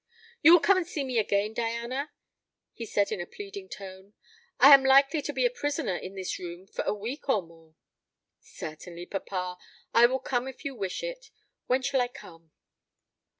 "You will come and see me again, Diana?" he said in a pleading tone: "I am likely to be a prisoner in this room for a week or more." "Certainly, papa; I will come if you wish it. When shall I come?"